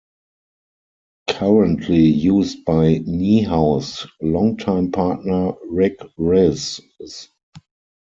Currently used by Niehaus' longtime partner Rick Rizzs.